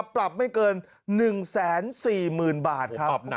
ปรับไม่เกิน๑๔๐๐๐๐บาท